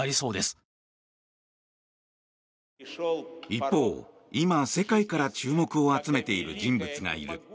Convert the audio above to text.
一方、今、世界から注目を集めている人物がいる。